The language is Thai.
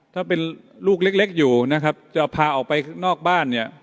ถ้าเป็นลูกเล็กอยู่นะครับจะพาออกไปข้างนอกบ้านเนี่ย